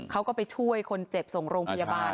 เขาก็ไปช่วยคนเจ็บส่งโรงพยาบาล